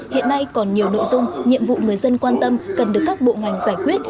hiện nay còn nhiều nội dung nhiệm vụ người dân quan tâm cần được các bộ ngành giải quyết